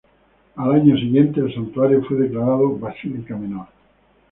Al año siguiente, el santuario fue declarado basílica menor.